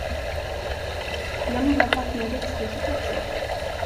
Glöm inte att vattna i växthuset också.